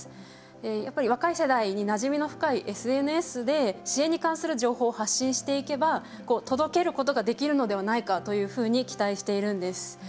やっぱり若い世代になじみの深いＳＮＳで支援に関する情報を発信していけば届けることができるのではないかというふうに期待しているんです。